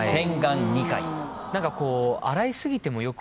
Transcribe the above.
何かこう。